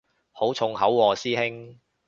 好重口喎師兄